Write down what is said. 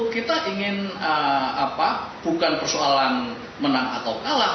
kita ingin bukan persoalan menang atau kalah